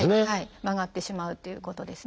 曲がってしまうっていうことですね。